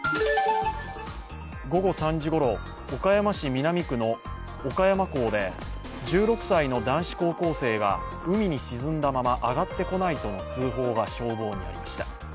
午後３時ごろ岡山市南区の岡山港で１６歳の男子高校生が海に沈んだまま上がってこないとの通報が消防にありました。